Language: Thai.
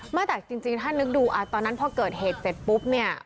ไม่แต่จริงถ้านึกดูตอนนั้นพอเกิดเหตุเสร็จปุ๊บเนี่ย